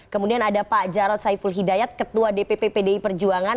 kemudian ada pak jarod saiful hidayat ketua dpp pdi perjuangan